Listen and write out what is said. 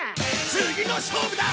次の勝負だ！